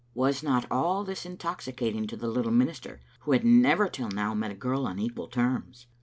Was not all this intoxicating to the little minister, who had never till now met a girl on equal terms?